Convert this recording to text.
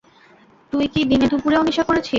তুই কি দিনেদুপুরেও নেশা করেছিস?